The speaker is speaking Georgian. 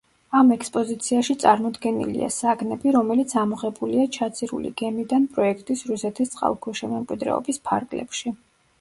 ამ ექსპოზიციაში წარმოდგენილია საგნები, რომელიც ამოღებულია ჩაძირული გემიდან პროექტის „რუსეთის წყალქვეშა მემკვიდრეობის“ ფარგლებში.